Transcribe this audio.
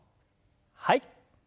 はい。